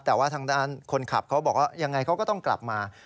แต่ว่าทางด้านคนขับเขาบอกว่ายังไงเขาก็ต้องกลับมา